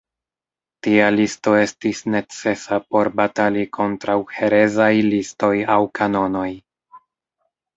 Tia listo estis necesa por batali kontraŭ herezaj listoj aŭ kanonoj.